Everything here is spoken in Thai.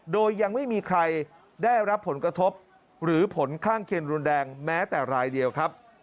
โดยยังไม่มีใครได้รับผลกระทบหรือผลข้างเคียงรุนแรงแม้แต่รายเดียวครับ